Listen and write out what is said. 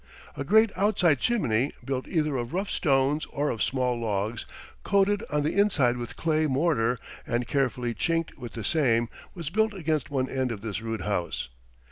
A great outside chimney, built either of rough stones or of small logs, coated on the inside with clay mortar and carefully chinked with the same, was built against one end of this rude house.